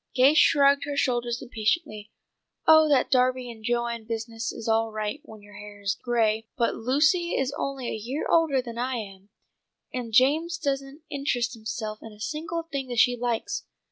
'" Gay shrugged her shoulders impatiently. "Oh, that Darby and Joan business is all right when your hair is gray, but Lucy is only a year older than I am, and Jameson doesn't interest himself in a single thing that she likes.